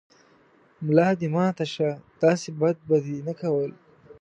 ملا دې ماته شۀ، داسې بد به دې نه کول